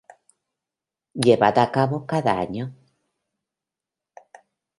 Llevada a cabo cada año.